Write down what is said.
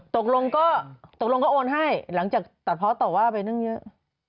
ตกลงก็โอนให้หลังจากตัดพอร์สต่อว่าไปนึงเยอะ